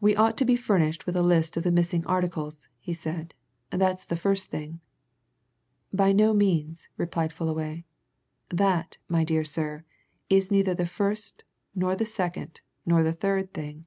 "We ought to be furnished with a list of the missing articles," he said. "That's the first thing." "By no means," replied Fullaway. "That, my dear sir, is neither the first, nor the second, nor the third thing.